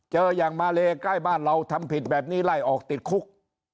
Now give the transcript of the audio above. อย่างมาเลใกล้บ้านเราทำผิดแบบนี้ไล่ออกติดคุก